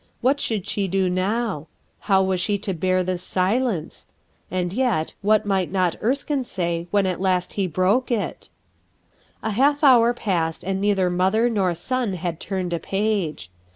What should she do now? How was she to bear this silence? And yet, what might not Erskine say when at last he broke it? ■',■■■. A half hour passed and neither mother nor son had turned a page.